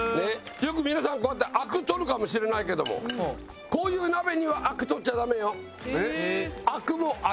よく皆さんこうやってアク取るかもしれないけどもこういう鍋にはアク取っちゃダメよ。